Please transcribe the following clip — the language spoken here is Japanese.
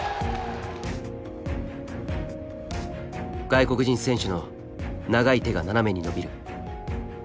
外国人選手の長い手が斜めに伸びる。